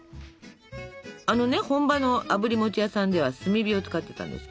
あのね本場のあぶり餅屋さんでは炭火を使ってたんですけどね